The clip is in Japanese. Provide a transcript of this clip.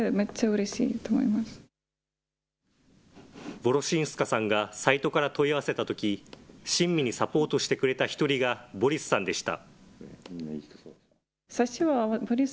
ヴォロシンスカさんがサイトから問い合わせたとき、親身にサポートしてくれた１人が、ボリスさんでした。